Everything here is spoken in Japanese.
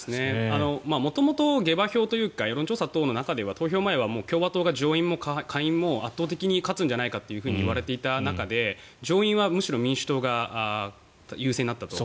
元々、下馬評というか世論調査等の中では投票前は共和党が上院も下院も圧倒的に勝つんじゃないかと言われていた中で、上院はむしろ民主党が優勢になったと。